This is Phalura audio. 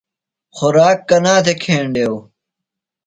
خوۡراک کنا تھےۡ کھنیڈیو؟